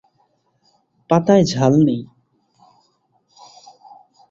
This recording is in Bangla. পাতায় ঝাল নেই।